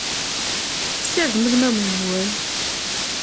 Sirdem udmawen-nwen!